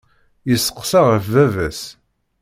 Yesseqsa ɣef baba-s.